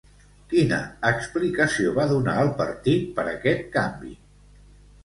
Quina explicació va donar el partit per aquest canvi?